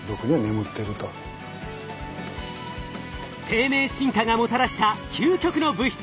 生命進化がもたらした究極の物質